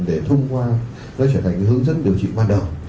để thông qua nó trở thành hướng dẫn điều trị ban đầu